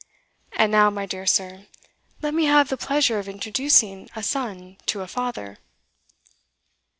And now, my dear sir, let me have the pleasure of introducing a son to a father."